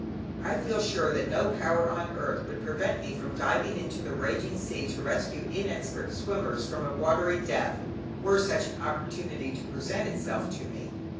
I feel sure that no power on earth would prevent me from diving into the raging sea to rescue inexpert swimmers from a watery death, were such an opportunity to present itself to me.